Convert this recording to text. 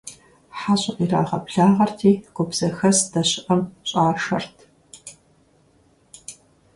ХьэщӀэр ирагъэблагъэрти, гуп зэхэс здэщыӀэм щӀашэрт.